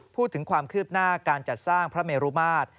พูดถึงความคืบหน้าการจัดสร้างพระเมรุมาตร